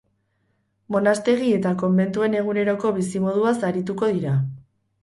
Monastegi eta konbentuen eguneroko bizimoduaz arituko dira.